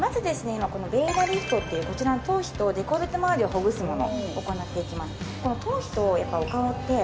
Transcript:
今このヴェーダリフトっていうこちら頭皮とデコルテまわりをほぐすもの行っていきます